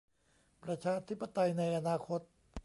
ประชาธิปไตยในอนาคต